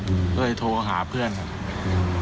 ก็เลยโทรหาเพื่อนครับ